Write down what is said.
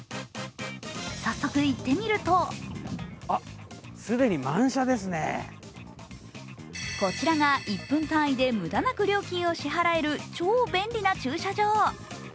早速、行ってみるとこちらが１分単位で無駄なく料金を支払える超便利な駐車場。